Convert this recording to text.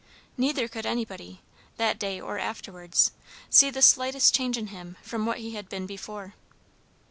Neither could anybody, that day or afterwards, see the slightest change in him from what he had been before.